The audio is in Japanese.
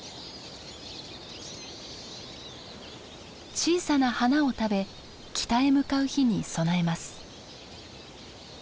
小さな花を食べ北へ向かう日に備えます。